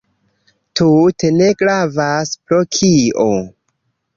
Tute ne gravas, pro kio.